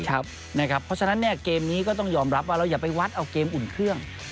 เพราะฉะนั้นเกมนี้ก็ต้องยอมรับว่าเราอย่าไปวัดเอาเกมอุ่นเครื่อง